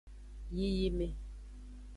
Yiyime.